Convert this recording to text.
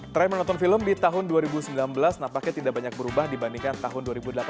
tren menonton film di tahun dua ribu sembilan belas nampaknya tidak banyak berubah dibandingkan tahun dua ribu delapan belas